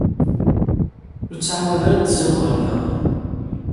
Ur ttɛawad ara ad d-tezziḍ ɣer da!